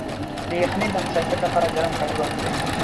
د یخنۍ د حساسیت لپاره ګرم کالي واغوندئ